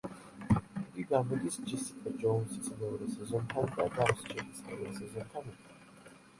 იგი გამოდის „ჯესიკა ჯოუნსის“ მეორე სეზონთან და „დამსჯელის“ პირველ სეზონთან ერთად.